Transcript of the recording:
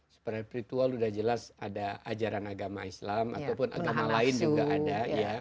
secara spiritual sudah jelas ada ajaran agama islam ataupun agama lain juga ada